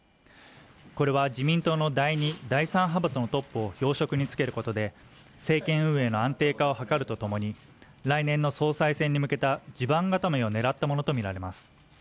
これは自民党の第２、第３派閥のトップを要職に就けることで政権運営の安定化を図るとともに来年の総裁選に向けた地盤固めを狙ったものと見られます